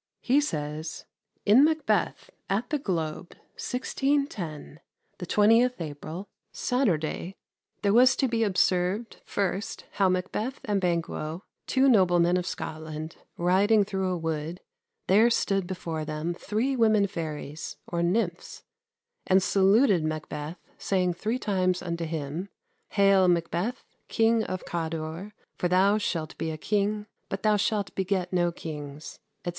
He says, "In 'Macbeth,' at the Globe, 1610, the 20th April, Saturday, there was to be observed first how Macbeth and Banquo, two noblemen of Scotland, riding through a wood, there stood before them three women fairies, or nymphs, and saluted Macbeth, saying three times unto him, 'Hail, Macbeth, King of Codor, for thou shalt be a king, but thou shalt beget no kings,'" etc.